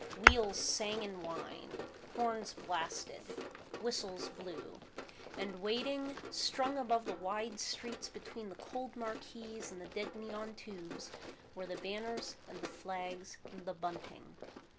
Wheels sang and whined. Horns blasted. Whistles blew. And waiting, strung above the wide streets between the cold marquees and the dead neon tubes, were the banners and the flags and the bunting.